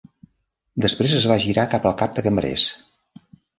Després es va girar cap al cap de cambrers.